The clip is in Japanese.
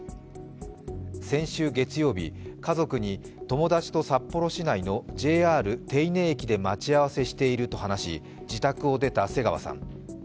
先週月曜日、家族に、友達と札幌市内のＪＲ手稲駅で待ち合わせしていると話し、自宅を出た瀬川さん。